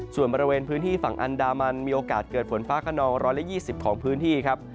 ส่วนบริเวณพื้นที่ฝั่งอันดามันมีโอกาสเกิดฝนฟ้าขนอง๑๒๐ของพื้นที่ครับ